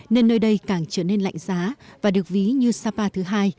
nên nơi đây càng trở nên lạnh giá và được ví như sapa thứ hai